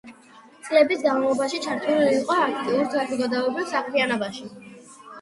წლების განმავლობაში ჩართული იყო აქტიურ საზოგადოებრივ საქმიანობაში.